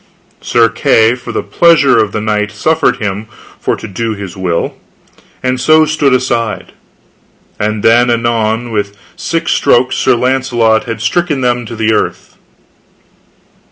Sir Kay for the pleasure of the knight suffered him for to do his will, and so stood aside. And then anon within six strokes Sir Launcelot had stricken them to the earth.